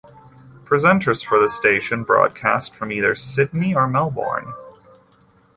Presenters for the station broadcast from either Sydney or Melbourne.